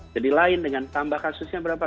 jadi lain dengan tambah kasusnya berapa